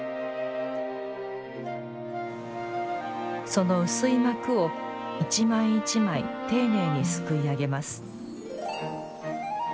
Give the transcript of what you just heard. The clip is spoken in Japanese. その薄い膜を１枚１枚丁寧にすくい上げます。